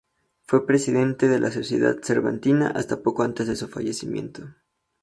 Fue presidente de la Sociedad Cervantina hasta poco antes de su fallecimiento.